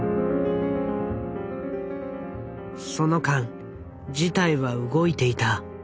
その間事態は動いていた。